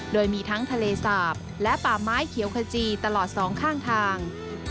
โดยมีทั้งทะเลสาบและป่าไม้เขียวขจีตลอดสองข้างทาง